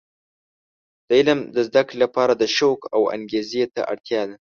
د علم د زده کړې لپاره د شوق او انګیزې ته اړتیا ده.